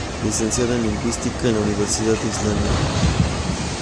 Licenciada en lingüística en la Universidad de Islandia.